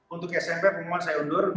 untuk smp pengumuman saya undur